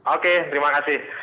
oke terima kasih